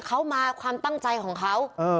เขามาความตั้งใจของเขา